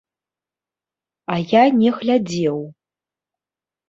А я не глядзеў.